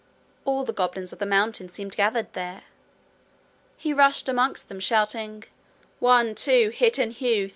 All the goblins of the mountain seemed gathered there. He rushed amongst them, shouting: 'One, two, Hit and hew!